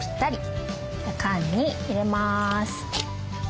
缶に入れます。